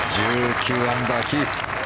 １９アンダーキープ。